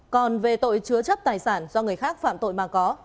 còn về tội chứa chấp tài sản do người khác phạm tội mà có